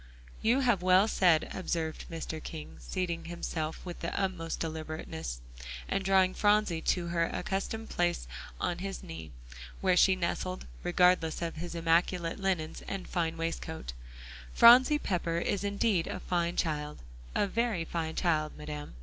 "You have well said," observed Mr. King, seating himself with the utmost deliberateness, and drawing Phronsie to her accustomed place on his knee, where she nestled, regardless of his immaculate linen and fine waistcoat, "Phronsie Pepper is indeed a fine child; a very fine child, Madam."